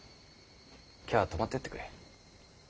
今日は泊まってってくれ。